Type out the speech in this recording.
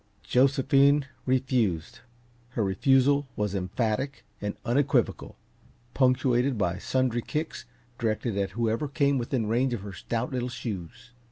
Josephine refused; her refusal was emphatic and unequivocal, punctuated by sundry kicks directed at whoever came within range of her stout little shoes.